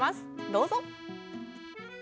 どうぞ。